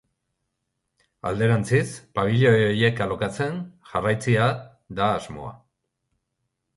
Alderantziz, pabilioi horiek alokatzen jarraitzea da asmoa.